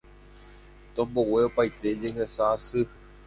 Tombogue opaite jehasa asy